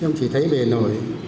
nhưng chỉ thấy về nổi